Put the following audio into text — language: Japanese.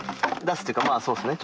出すっていうか